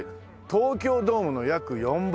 東京ドームの約４倍。